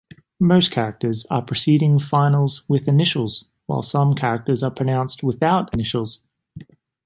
Most characters are preceding finals with initials while some characters are pronounced without initials.